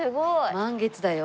満月だよ。